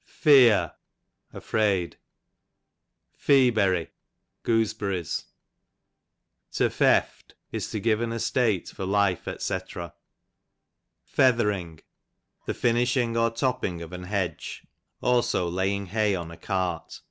Feear, afraid. Feaberry, gooseberries. To Feft, is to give an estate for life, dr. (the Jiiiishi)ig or top ping of an hedge, also laying hay on a ^cart.